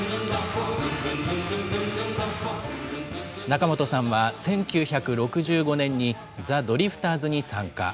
仲本さんは１９６５年にザ・ドリフターズに参加。